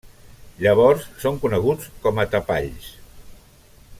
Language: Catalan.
Llavors són coneguts com a tapalls.